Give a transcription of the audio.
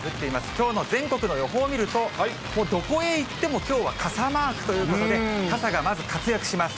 きょうの全国の予報を見ると、もうどこへ行っても、きょうは傘マークということで、傘がまず活躍します。